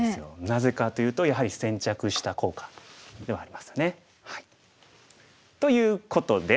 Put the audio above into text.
なぜかというとやはり先着した効果ではありますよね。ということで。